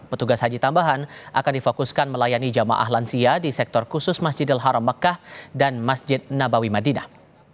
petugas haji tambahan akan difokuskan melayani jamaah lansia di sektor khusus masjidil haram mekah dan masjid nabawi madinah